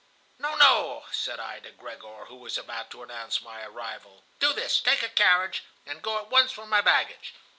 "'No, no,' said I to Gregor, who was about to announce my arrival. 'Do this, take a carriage, and go at once for my baggage.